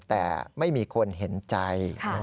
แต่ไม่มีคนเห็นใจ